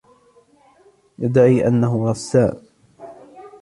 يدعي أنه رسام.